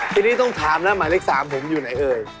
ทีนี้ต้องถามแล้วหมายเลข๓ผมอยู่ไหนเอ่ย